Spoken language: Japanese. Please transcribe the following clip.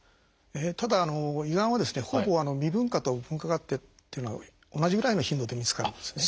ただ胃がんはですねほぼ未分化と分化があってというのは同じぐらいの頻度で見つかるんですね。